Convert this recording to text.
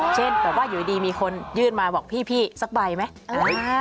เช่นแบบว่าอยู่ดีมีคนยื่นมาบอกพี่สักใบไหม